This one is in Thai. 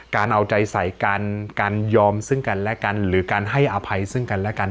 เอาใจใส่กันการยอมซึ่งกันและกันหรือการให้อภัยซึ่งกันและกัน